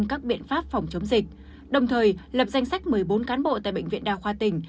các biện pháp phòng chống dịch đồng thời lập danh sách một mươi bốn cán bộ tại bệnh viện đa khoa tỉnh